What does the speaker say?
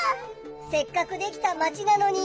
せっかくできたマチなのに。